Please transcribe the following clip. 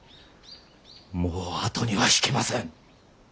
もう後には引けません。